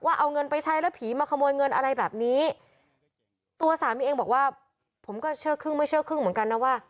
เอาเงินไปใช้แล้วผีมาขโมยเงินอะไรแบบนี้ตัวสามีเองบอกว่าผมก็เชื่อครึ่งไม่เชื่อครึ่งเหมือนกันนะว่า